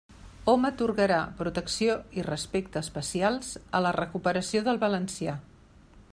Hom atorgarà protecció i respecte especials a la recuperació del valencià.